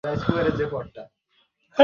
তাই আমি তোমাকে আটকানোর চেষ্টা করিনি।